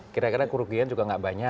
kira kira kerugian juga nggak banyak